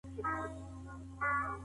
کمپيوټر کيسه جوړوي.